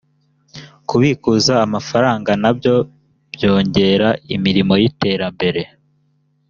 kubikuza amafarana byongera imirimo yiterambere.